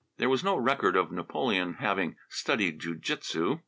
There is no record of Napoleon having studied jiu jitsu.